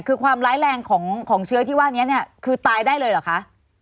คือความร้ายแรงของเชื้อที่ว่านี้เนี่ยคือตายได้เลยเหรอคะ